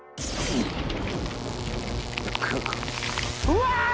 うわ！